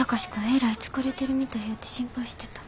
えらい疲れてるみたいやて心配してた。